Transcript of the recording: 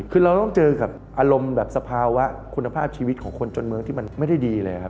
คือเราต้องเจอกับอารมณ์แบบสภาวะคุณภาพชีวิตของคนจนเมืองที่มันไม่ได้ดีเลยครับ